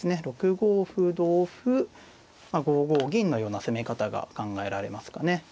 ６五歩同歩５五銀のような攻め方が考えられますかね。